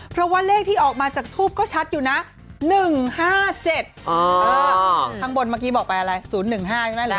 เพราะว่าเลขที่ออกมาจากทูปก็ชัดอยู่นะ๑๕๗ข้างบนเมื่อกี้บอกไปอะไร๐๑๕ใช่ไหมล่ะ